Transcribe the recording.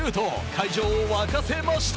会場を沸かせました。